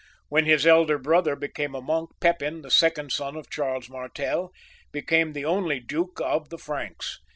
When his elder brother became a monk, Pepin, the second son of Charles Martel, became the only >duke of the Franks.